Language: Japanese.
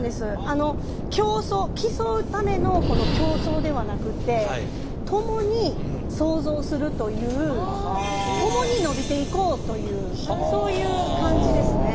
あの競うための競争ではなくって共に創造するという共に伸びていこうというそういう感じですね。